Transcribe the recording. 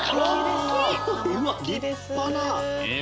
うわっ立派な！